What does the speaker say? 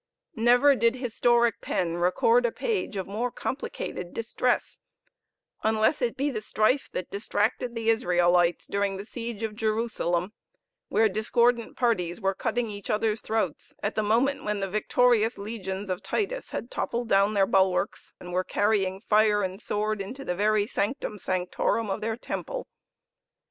Never did historic pen record a page of more complicated distress, unless it be the strife that distracted the Israelites during the siege of Jerusalem, where discordant parties were cutting each other's throats at the moment when the victorious legions of Titus had toppled down their bulwarks, and were carrying fire and sword into the very sanctum sanctorum of the temple!